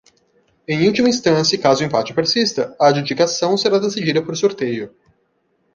Em última instância e caso o empate persista, a adjudicação será decidida por sorteio.